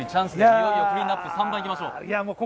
いよいよクリーンアップ、３番いきましょう。